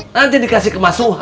nanti dikasih ke mas suha